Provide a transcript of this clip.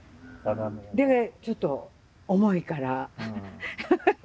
でちょっと重いからハハッ。